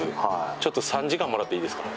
ちょっと３時間もらっていいですか？